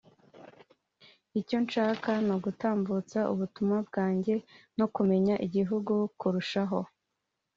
icyo nshaka ni ugutambutsa ubutumwa bwanjye no kumenya igihugu kurushaho